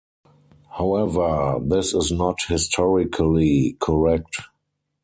However, this is not historically correct.